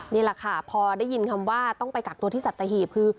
นี่แหละค่ะพอได้ยินคำว่าต้องไปกักตัวที่สัตหีบคือ